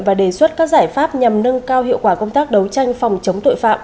và đề xuất các giải pháp nhằm nâng cao hiệu quả công tác đấu tranh phòng chống tội phạm